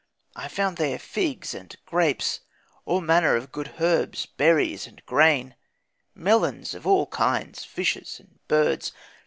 I found there figs and grapes, all manner of good herbs, berries and grain, melons of all kinds, fishes and birds.